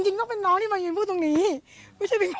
จริงต้องเป็นน้องที่มายืนพูดตรงนี้ไม่ใช่เป็นคน